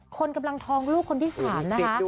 คนกำลังท้องลูกคนที่๓นะคะ